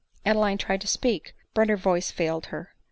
Adeline tried to speak, but her voice failed her.